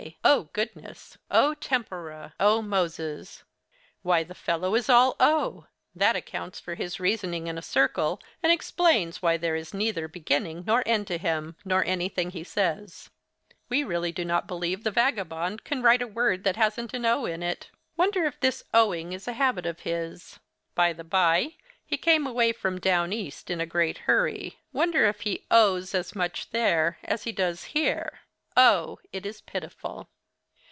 Oh, goodness! Oh, tempora! Oh, Moses!" Why, the fellow is all O! That accounts for his reasoning in a circle, and explains why there is neither beginning nor end to him, nor to anything he says. We really do not believe the vagabond can write a word that hasn't an O in it. Wonder if this O ing is a habit of his? By the by, he came away from Down East in a great hurry. Wonder if he O's as much there as he does here? "O! it is pitiful."